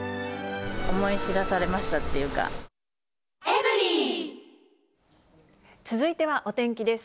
思い知らされましたっていう続いてはお天気です。